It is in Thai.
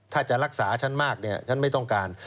ถ้าจะรักษาฉันมากเนี่ยฉันไม่ต้องการ